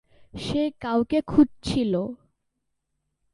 সে কাউকে খুঁজছিল।